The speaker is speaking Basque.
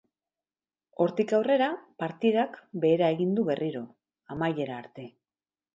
Hortik aurrera, partidak behera egin du berriro, amaiera arte.